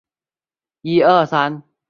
山皂荚为豆科皂荚属的植物。